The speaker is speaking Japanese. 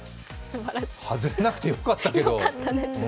外れなくてよかったけど。